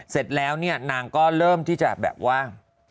เสร็จแล้วเนี่ยนางก็เริ่มที่จะแบบว่า